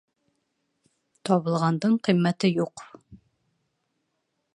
Табылғандың ҡиммәте юҡ.